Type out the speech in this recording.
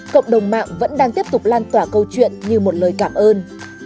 cộng đồng mạng vẫn đang tiếp tục lan tỏa câu chuyện như một lời cảm ơn